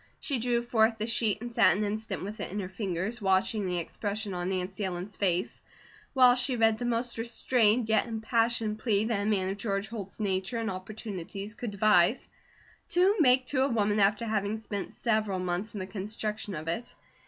She drew forth the sheet and sat an instant with it in her fingers, watching the expression of Nancy Ellen's face, while she read the most restrained yet impassioned plea that a man of George Holt's nature and opportunities could devise to make to a woman after having spent several months in the construction of it.